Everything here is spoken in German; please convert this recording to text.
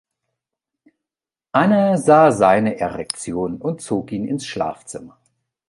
Anne sah seine Erektion und zog ihn ins Schlafzimmer.